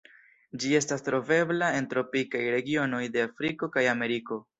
Ĝi estas trovebla en tropikaj regionoj de Afriko kaj Ameriko.